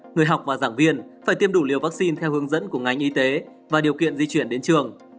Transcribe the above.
người học và giảng viên phải tiêm đủ liều vaccine theo hướng dẫn của ngành y tế và điều kiện di chuyển đến trường